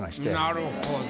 なるほど。